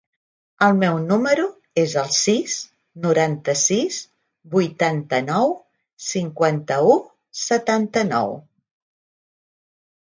El meu número es el sis, noranta-sis, vuitanta-nou, cinquanta-u, setanta-nou.